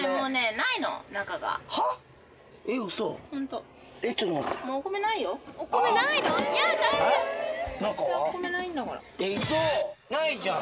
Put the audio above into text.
ないじゃん。